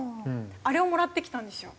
あれをもらってきたんですよ。